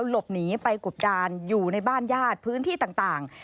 หลบหนีไปกบดานอยู่ในบ้านญาติพื้นที่ต่าง